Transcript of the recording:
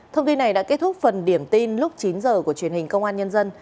thông tin này đã kết thúc phần điểm tin lúc chín h của truyền hình công an nhân dân